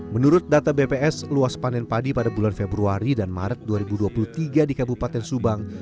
menurut data bps luas panen padi pada bulan februari dan maret dua ribu dua puluh tiga di kabupaten subang